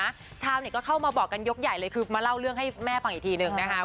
ชาวเน็ตก็เข้ามาบอกกันยกใหญ่เลยคือมาเล่าเรื่องให้แม่ฟังอีกทีหนึ่งนะคะ